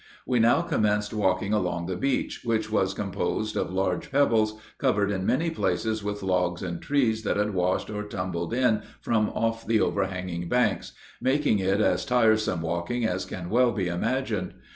We now commenced walking along the beach, which was composed of large pebbles, covered in many places with logs and trees that had washed or tumbled in from off the overhanging banks, making it as tiresome walking as can well be imagined.